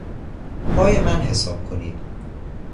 پای من حساب کنید.